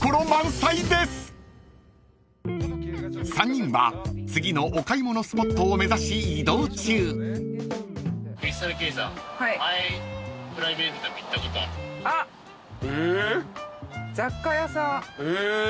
［３人は次のお買い物スポットを目指し移動中］あっ。え？